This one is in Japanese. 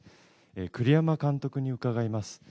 栗山監督に伺います。